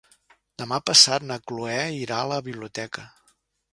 Demà passat na Cloè irà a la biblioteca.